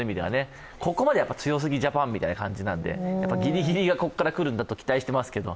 ここまで強すぎジャパンみたいな感じなのでギリギリがここから来るんじゃないかと期待してますけど。